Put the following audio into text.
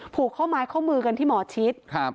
ผูกข้อไม้ข้อมือกันที่หมอชิด